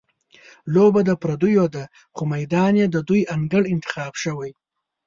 لوبه د پردیو ده، خو میدان یې د دوی انګړ انتخاب شوی.